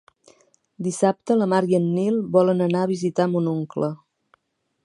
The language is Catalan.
Dissabte na Mar i en Nil volen anar a visitar mon oncle.